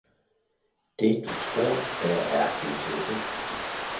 Det du tror der er din lykke!